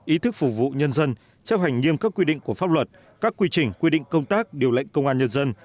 ý thức phục vụ nhân dân chấp hành nghiêm các quy định của pháp luật các quy trình quy định công tác điều lệnh công an nhân dân